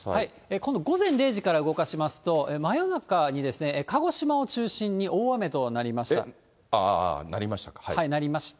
今度午前０時から動かしますと、真夜中に鹿児島を中心に大雨となりました。